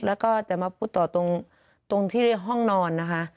แล้วก็จะมาพูดต่อตรงที่ห้องนอนนะคะ